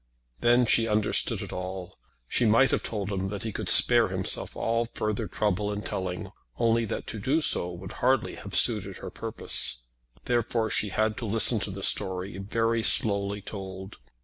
Then she understood it all. She might have told him that he could spare himself all further trouble in telling, only that to do so would hardly have suited her purpose; therefore she had to listen to the story, very slowly told.